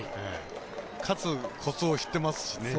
勝つコツを知ってますからね。